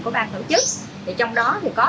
của ban tổ chức trong đó thì có